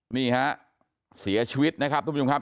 นี่ฮะเสียชีวิตนะครับทุกผู้ชมครับ